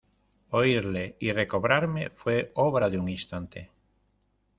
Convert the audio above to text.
oírle y recobrarme fué obra de un instante.